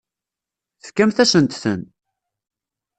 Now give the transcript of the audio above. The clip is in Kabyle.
Tefkamt-asent-ten.